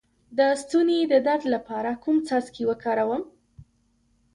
د ستوني د درد لپاره کوم څاڅکي وکاروم؟